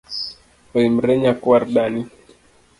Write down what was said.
Oimore nyakuar dani